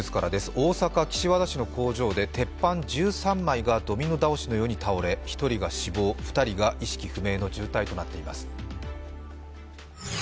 大阪・岸和田の工場で鉄板１３枚が倒れ、１人が死亡、２人が意識不明の重体となっています。